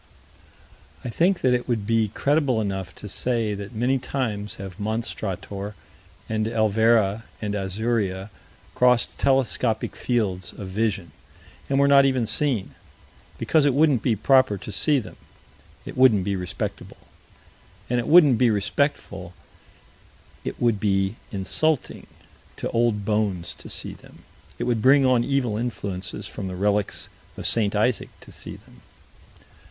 I think that it would be credible enough to say that many times have Monstrator and Elvera and Azuria crossed telescopic fields of vision, and were not even seen because it wouldn't be proper to see them; it wouldn't be respectable, and it wouldn't be respectful: it would be insulting to old bones to see them: it would bring on evil influences from the relics of St. Isaac to see them.